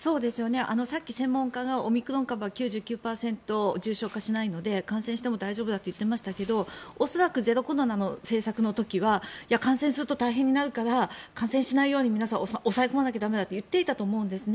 さっき専門家がオミクロン株は９９％重症化しないので感染しても大丈夫だと言っていましたが恐らくゼロコロナの政策の時は感染すると大変になるから感染しないように抑え込まなきゃと言っていたと思うんですね。